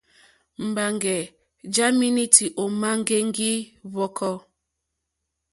Mbaŋgè ja menuti òma ŋgɛŋgi hvɔkɔ.